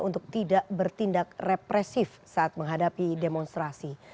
untuk tidak bertindak represif saat menghadapi demonstrasi